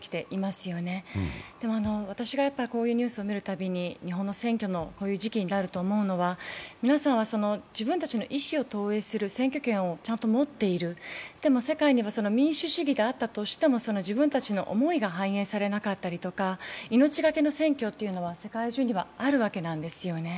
私がこういうニュースを見るたびに日本の選挙のこういう時期になると思うのは皆さんは自分たちの意思を投影する選挙権をちゃんと持っている、でも、世界には民主主義であったとしても自分たちの思いが反映されなかったりとか命がけの選挙というのは世界中にはあるわけなんですよね。